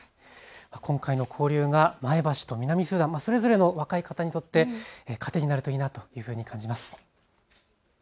今回の交流が前橋と南スーダンそれぞれの若い方にとって糧になるといいなと感じます。